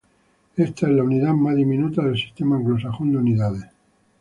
Ésta es la unidad más diminuta del sistema anglosajón de unidades.